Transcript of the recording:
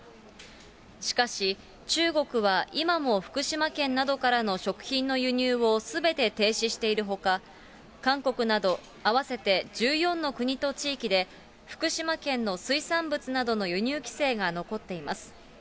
しかし、中国は今も福島県などからの食品の輸入をすべて停止しているほか、韓国など合わせて１４の国と地域で、福島県の水産物などの輸入規制が残っています。